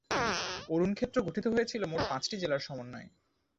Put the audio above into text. অরুণ ক্ষেত্র গঠিত হয়েছিল মোট পাঁচটি জেলার সমন্বয়ে।